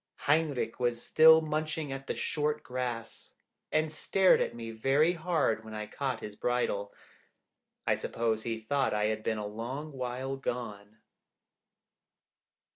Heinrich was still munching at the short grass, and stared at me very hard when I caught his bridle. I suppose he thought I had been a long while gone.